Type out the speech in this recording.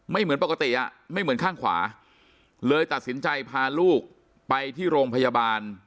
ไม่เหมือนปกติอะ